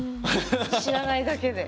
知らないだけで。